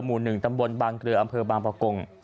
หมู่๑ตำบลบางเกลืออำเภอบางประกง